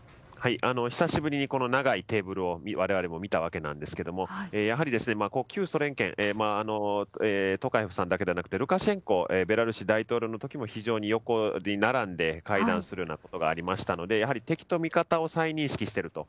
久しぶりに長いテーブルを我々も見たわけですがやはり旧ソ連圏トカエフさんだけじゃなくてルカシェンコベラルーシ大統領の時も横に並んで会談するようなことがありましたのでやはり敵と味方を再認識していると。